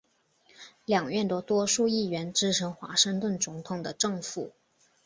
两院的多数议员支持华盛顿总统的政府。